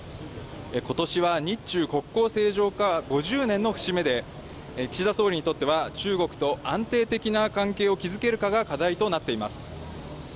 ことしは日中国交正常化５０年の節目で、岸田総理にとっては、中国と安定的な関係を築けるかが課題となっています。